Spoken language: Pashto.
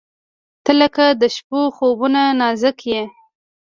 • ته لکه د شپو خوبونه نازک یې.